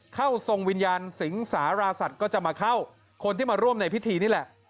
ทรงวิญญาณสิงสาราสัตว์ก็จะมาเข้าคนที่มาร่วมในพิธีนี่แหละ